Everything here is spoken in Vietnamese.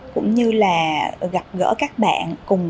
cũng như gặp gỡ các bạn cùng